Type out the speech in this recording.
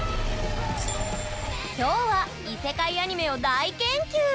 今日は異世界アニメを大研究！